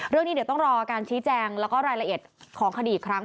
เรื่องนี้เดี๋ยวต้องรอการชี้แจงแล้วก็รายละเอียดของคดีอีกครั้ง